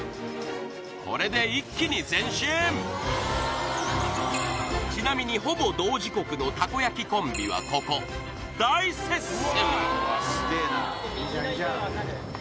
これで一気に前進ちなみにほぼ同時刻のたこ焼きコンビはここ大接戦！